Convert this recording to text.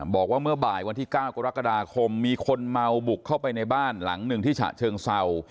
บอกว่าเมื่อบ่ายวันที่๙กรกฎาคมมีคนเมาบุกเข้าไปในบ้านหลังหนึ่งที่ฉะเชิงเศร้า